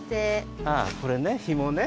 ああこれねひもね。